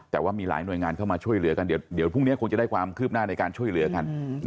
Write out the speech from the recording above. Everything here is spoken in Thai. แต่ว่ามีหลายหน่วยงานเข้ามาช่วยเหลือกันเดี๋ยวพรุ่งนี้คงจะได้ความคืบหน้าในการช่วยเหลือกัน